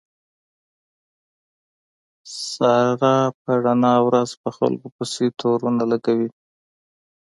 ساره په رڼا ورځ په خلکو پسې تورو نه لګوي.